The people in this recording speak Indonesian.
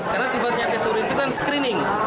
karena sifatnya tes urin itu kan screening